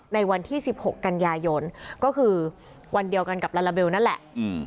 ในวันที่๑๖กันยายนก็คือวันเดียวกันกับลาลาเบลนั่นแหละ